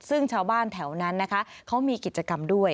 ซึ่งชาวบ้านแถวนั้นนะคะเขามีกิจกรรมด้วย